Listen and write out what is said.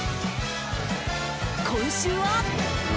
今週は。